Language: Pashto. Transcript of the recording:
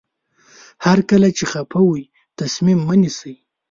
هر کله چې خفه وئ تصمیم مه نیسئ.